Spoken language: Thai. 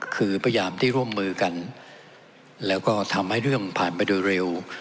คือพยายามที่ร่วมมือกันแล้วก็ทำให้เรื่องผ่านไปโดยเร็ว